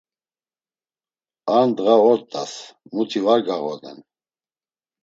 Ar ndğa ort̆as, muti var gağoden.